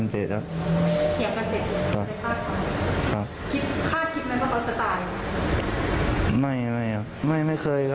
มีปัญหากันละก่อนไหม